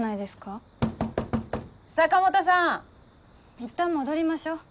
いったん戻りましょ。